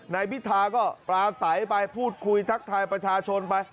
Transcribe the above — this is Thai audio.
นายพิธาก็ปลาใสไปพูดคุยทักทายประชาชนไป